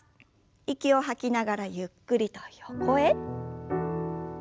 息を吐きながらゆっくりと横へ。